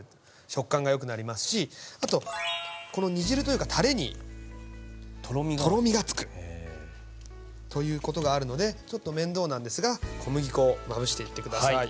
食感がよくなりますしあとこの煮汁というかたれにとろみがつくということがあるのでちょっと面倒なんですが小麦粉をまぶしていって下さい。